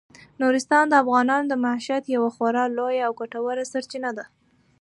نورستان د افغانانو د معیشت یوه خورا لویه او ګټوره سرچینه ده.